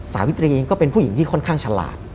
สาวิตรีเองก็เป็นผู้หญิงที่ค่อนข้างฉลาด